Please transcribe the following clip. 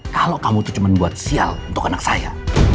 kalo kamu tuh cuman buat sial untuk anak saya